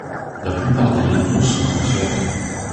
La plupart des linteaux sont en fer.